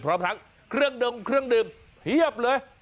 พร้อมทั้งเครื่องดมเครื่องดื่มเพียบเลย